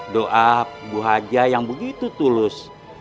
doa bu haja yang begitu tulus